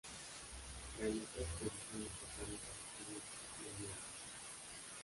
Realizó expediciones botánicas a Siria, y al Líbano.